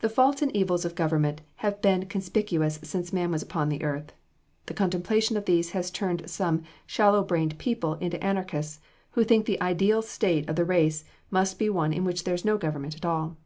The faults and evils of government have been conspicuous since man was upon the earth. The contemplation of these has turned some shallow brained people into anarchists, who think the ideal state of the race must be one in which there is no government at all.